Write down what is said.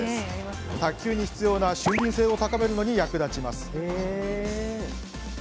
卓球に必要な俊敏性を高めるのに役立ちます。